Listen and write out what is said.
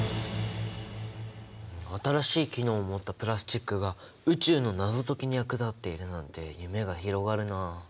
新しい機能を持ったプラスチックが宇宙の謎解きに役立っているなんて夢が広がるなあ。